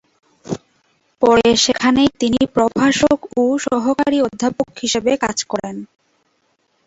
পরে সেখানেই তিনি প্রভাষক ও সহকারী অধ্যাপক হিসেবে কাজ করেন।